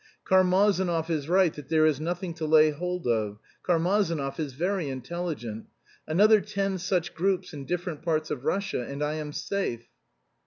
Karmazinov is right that there is nothing to lay hold of. Karmazinov is very intelligent. Another ten such groups in different parts of Russia and I am safe."